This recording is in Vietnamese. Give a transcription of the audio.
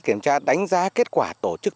kiểm tra đánh giá kết quả tổ chức